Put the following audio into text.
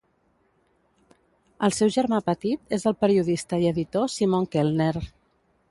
El seu germà petit és el periodista i editor Simon Kelner.